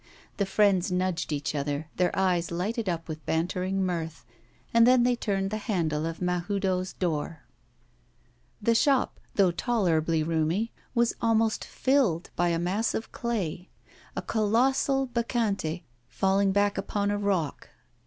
The friends nudged each other, their eyes lighted up with bantering mirth; and then they turned the handle of Mahoudeau's door. The shop, though tolerably roomy, was almost filled by a mass of clay: a colossal Bacchante, falling back upon a rock.